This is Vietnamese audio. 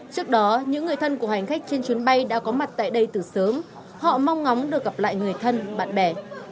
trước đó những người thân của hành khách trên chuyến bay đã có mặt tại đây từ sớm họ mong ngóng được gặp lại người thân bạn bè